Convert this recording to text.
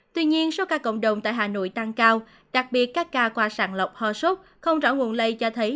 tuy nhiên số ca cộng đồng tại hà nội tăng cao đặc biệt các ca qua sàng lọc ho sốt không rõ nguồn lây cho thấy